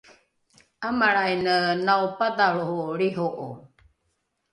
’amalraine naopadhalro’o lriho’o